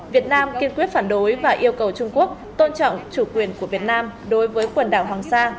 việt nam kiên quyết phản đối và yêu cầu trung quốc tôn trọng chủ quyền của việt nam đối với quần đảo hoàng sa